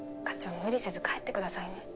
課長無理せず帰ってくださいね。